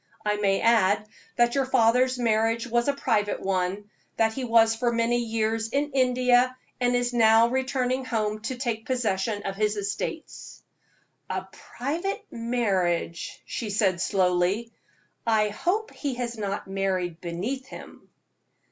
I may add that your father's marriage was a private one, that he was for many years in India, and is now returning home to take possession of his estates." "A private marriage!" she said, slowly. "I hope he has not married beneath him."